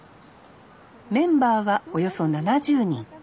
メンバーはおよそ７０人。